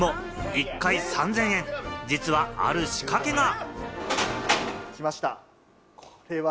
１回３０００円、実はある仕掛けが。来ました。